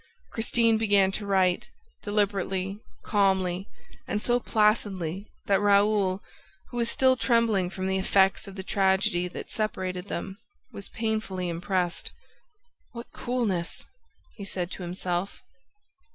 Christine began to write, deliberately, calmly and so placidly that Raoul, who was still trembling from the effects of the tragedy that separated them, was painfully impressed. "What coolness!" he said to himself.